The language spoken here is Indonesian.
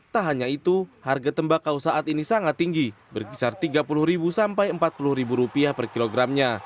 tak hanya itu harga tembakau saat ini sangat tinggi berkisar rp tiga puluh sampai rp empat puluh per kilogramnya